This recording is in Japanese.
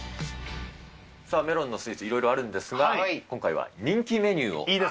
メロンのスイーツ、いろいろあるんですが、今回は人気メニューを。